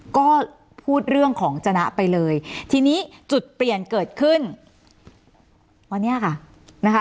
ก็พูดเรื่องของจนะไปเลยทีนี้จุดเปลี่ยนเกิดขึ้นวันนี้ค่ะนะคะ